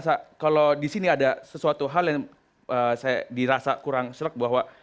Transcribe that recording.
saya kalau di sini ada sesuatu hal yang saya dirasa kurang selek bahwa